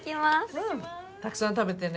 うんたくさん食べてね。